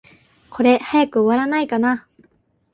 これ、早く終わらないかな。